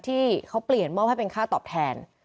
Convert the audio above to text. ที่เขาเปลี่ยนมอบให้เป็นค่าตอบแทน